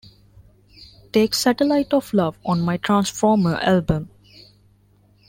Take 'Satellite of Love,' on my "Transformer" album.